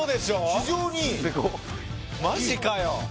非常にいい・マジかよ！？